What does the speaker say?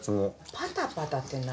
パタパタって何？